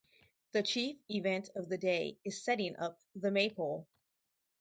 The chief event of the day is setting up the Maypole.